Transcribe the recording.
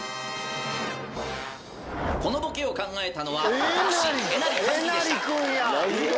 このボケを考えたのは私えなりかずきでした。